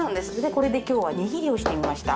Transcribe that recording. これで今日は握りをしてみました。